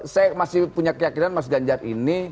saya masih punya keyakinan mas ganjar ini